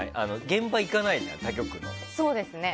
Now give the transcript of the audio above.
現場行かないから他局の。